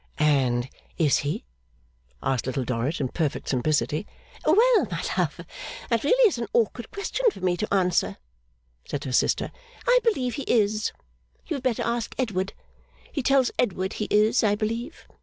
'And is he?' asked Little Dorrit in perfect simplicity. 'Well, my love, that really is an awkward question for me to answer,' said her sister. 'I believe he is. You had better ask Edward. He tells Edward he is, I believe.